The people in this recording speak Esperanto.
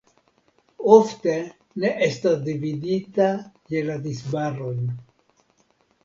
Ofte ne estas dividita je la disbarojn.